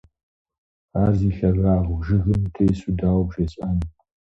Ар зи лъэгагъ жыгым утесу дауэ бжесӀэн?